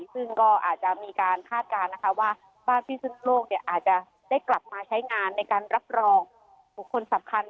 ซึ่งก็อาจจะมีการคาดการณ์นะคะว่าบ้านพิสุนโลกอาจจะได้กลับมาใช้งานในการรับรองบุคคลสำคัญ